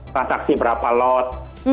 transaksi berapa lot